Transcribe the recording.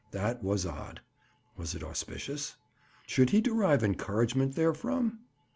That was odd. Was it auspicious? Should he derive encouragement therefrom?